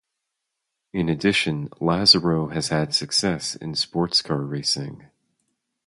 In addition, Lazzaro has had success in sports car racing.